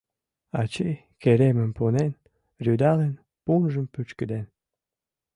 Ачий керемым пунен, рӱдалын, пунжым пӱчкеден.